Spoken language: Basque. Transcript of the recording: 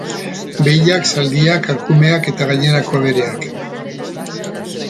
Behiak, zaldiak, arkumeak eta gainerako abereak.